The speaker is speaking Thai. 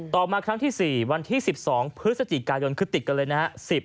มาครั้งที่๔วันที่๑๒พฤศจิกายนคือติดกันเลยนะฮะ